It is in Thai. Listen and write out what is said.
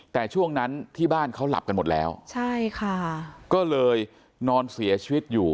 แต่ช่วงนั้นที่บ้านเขาหลับกันหมดแล้วใช่ค่ะก็เลยนอนเสียชีวิตอยู่